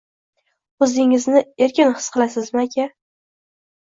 O‘zingizni erkin his qilasizmi aka.